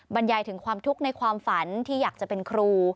บรรยายถึงความทุกข์ในความฝันที่อยากจะเป็นครู